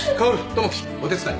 友樹お手伝い。